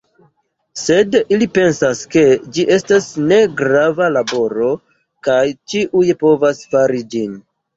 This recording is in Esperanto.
Sed ili pensas ke ĝi estas ne grava laboro kaj ĉiuj povas fari ĝin.